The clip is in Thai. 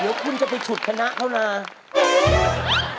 เดี๋ยวคุณจะไปฉุดคณะเขานะ